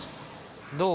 どう？